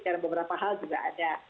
karena beberapa hal juga ada